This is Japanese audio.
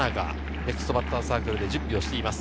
ネクストバッターズサークルで準備しています。